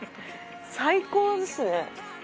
最高ですね！